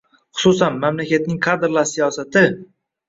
Xususan, mamlakatning kadrlar siyosati!